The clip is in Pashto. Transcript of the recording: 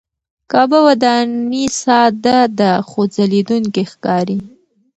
کعبه وداني ساده ده خو ځلېدونکې ښکاري.